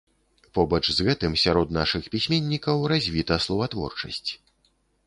Побач з гэтым сярод нашых пісьменнікаў развіта словатворчасць.